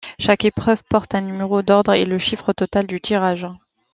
Chaque épreuve porte un numéro d'ordre et le chiffre total du tirage.